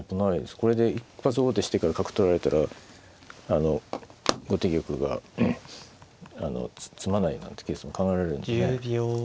これで一発王手してから角取られたらあの後手玉が詰まないなんてケースも考えられるんでね。